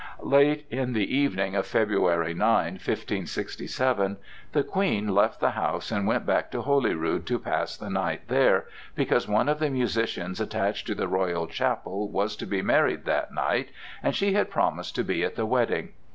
Late in the evening of February 9, 1567, the Queen left the house and went back to Holyrood to pass the night there, because one of the musicians attached to the royal chapel was to be married that night, and she had promised to be at the wedding.